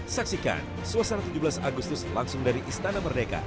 saksikan suasana tujuh belas agustus langsung dari istana merdeka